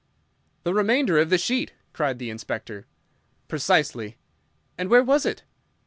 "The remainder of the sheet!" cried the Inspector. "Precisely." "And where was it?"